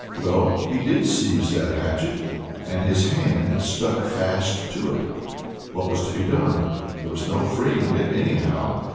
Well, he did seize that hatchet, and his hand stuck fast to it. What was to be done? There was no freeing it anyhow.